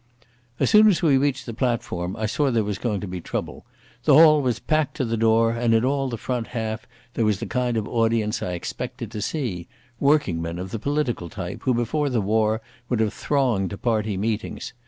As soon as we reached the platform I saw that there was going to be trouble. The hall was packed to the door, and in all the front half there was the kind of audience I expected to see—working men of the political type who before the war would have thronged to party meetings.